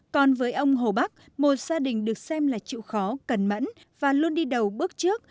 còn với ông hồ bắc một gia đình được xem là chịu khó cẩn mẫn và luôn đi đầu bước trước